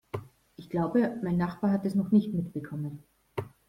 Ich glaube, mein Nachbar hat es noch nicht mitbekommen.